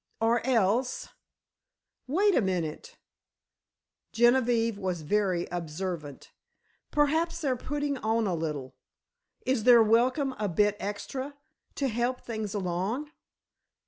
Or else—wait a minute——" Genevieve was very observant—"perhaps they're putting on a little. Is their welcome a bit extra, to help things along?"